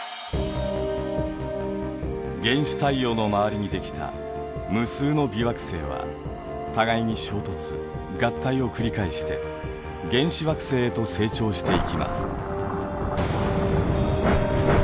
原始太陽の周りにできた無数の微惑星は互いに衝突・合体を繰り返して原始惑星へと成長していきます。